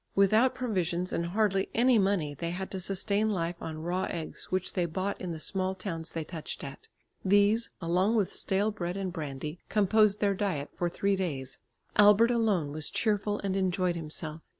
Without provisions and hardly any money they had to sustain life on raw eggs which they bought in the small towns they touched at. These along with stale bread and brandy, composed their diet for three days. Albert alone was cheerful and enjoyed himself.